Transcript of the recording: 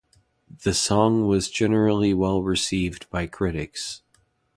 The song was generally well received by critics.